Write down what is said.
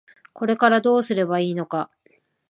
これからどうすればいいのか。